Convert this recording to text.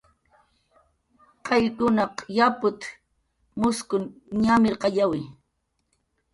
"Qayllunkunaq yaput"" mujskun ñamirqayawi"